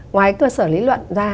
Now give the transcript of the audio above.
ngoài cơ sở lý luận ra